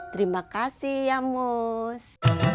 terima kasih ya mus